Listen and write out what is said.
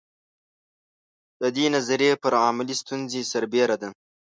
د دې نظریې پر علمي ستونزې سربېره ده.